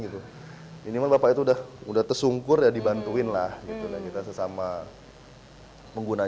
gitu ini bapak itu udah udah tersungkur ya dibantuin lah gitu dan kita sesama pengguna